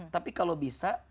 tapi kalau bisa